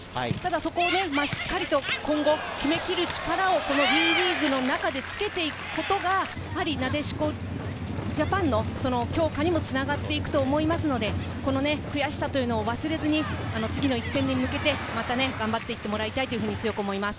そこをしっかりと今後、決めきる力をＷＥリーグの中でつけていくことが、なでしこジャパンの強化につながっていくと思いますので、この悔しさを忘れずに、次の一戦に向けて、また頑張っていってもらいたいと思います。